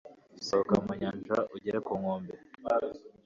sohoka mu nyanja ugere ku nkombe